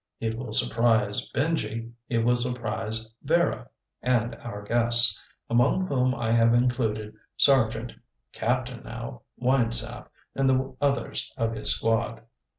It will surprise Benji. It will surprise Vera and our guests, among whom I have included Sergeant (Captain now) Winesap and the others of his squad.